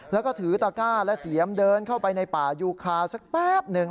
แล้วก็ถือตะก้าและเสียมเดินเข้าไปในป่ายูคาสักแป๊บหนึ่ง